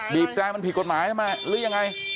บีบงั้นมันผิดกฎหมายทำไมรู้ยังไง